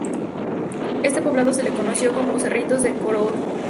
Este poblado se le conoció como "Cerritos de Cocorote".